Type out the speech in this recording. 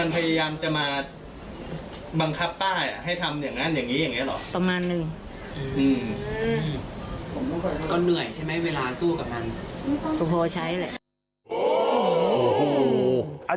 พอใช้แหละ